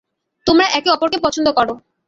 তোমরা একে অপরকে পছন্দ করো।